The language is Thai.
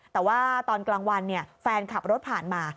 แต่ว่าตอนกลางวันแฟนขับรถผ่านมา